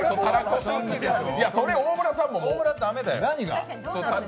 大村さんも駄目だよ。